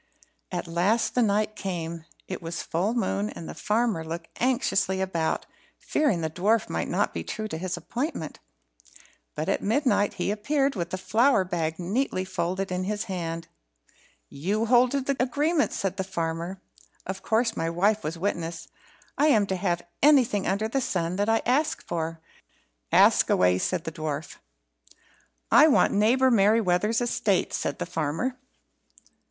At last the night came. It was full moon, and the farmer looked anxiously about, fearing the dwarf might not be true to his appointment. But at midnight he appeared, with the flour bag neatly folded in his hand. "You hold to the agreement," said the farmer, "of course. My wife was witness. I am to have anything under the sun that I ask for; and I am to have it now." "Ask away," said the dwarf. "I want neighbour Merryweather's estate," said the farmer.